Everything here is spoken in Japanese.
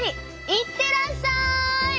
行ってらっしゃい！